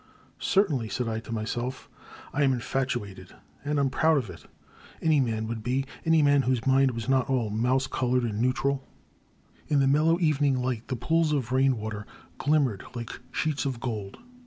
Certainly,'* said I to myself, I am infatu ated, and I *m proud of it. Any man would be — any man whose mind was not all mouse coloured and neutral.'* In the mellow evening light the pools of rain water glimmered like sheets of gold.